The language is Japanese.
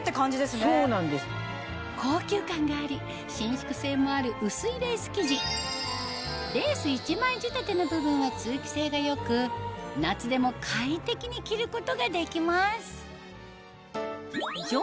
高級感があり伸縮性もある薄いレース生地レース１枚仕立ての部分は通気性が良く夏でも快適に着ることができます